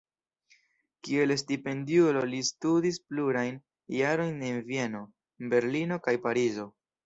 Kiel stipendiulo li studis plurajn jarojn en Vieno, Berlino kaj Parizo.